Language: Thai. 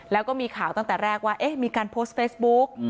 แล้วก็มีข่าวตั้งแต่แรกว่ามีการโพสต์เฟซบุ๊ก